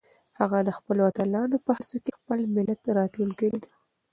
هغه د خپلو اتلانو په هڅو کې د خپل ملت راتلونکی لیده.